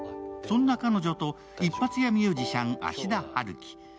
そんな彼女と一発屋ミュージシャン、芦田春樹。